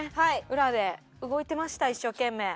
裏で動いてました一生懸命。